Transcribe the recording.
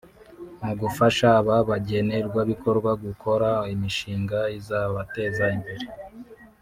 Mu gufasha aba bagenerwabikorwa gukora imishinga izabateza imbere